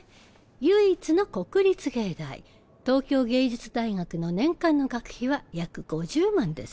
唯一の国立芸大東京藝術大学の年間の学費は約５０万です。